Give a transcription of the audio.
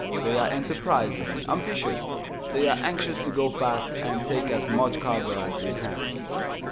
They are enterprising, ambitious. They are anxious to go fast, and take as much cargo as they can.